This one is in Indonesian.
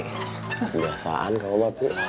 kebiasaan kamu bu